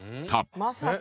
まさか？